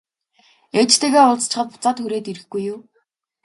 Ээжтэйгээ уулзчихаад буцаад хүрээд ирэхгүй юу?